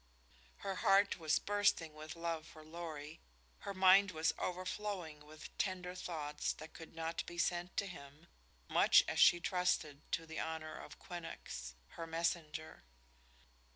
Her heart was bursting with love for Lorry; her mind was overflowing with tender thoughts that could not be sent to him, much as she trusted to the honor of Quinnox, her messenger.